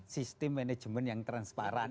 sistem manajemen yang transparan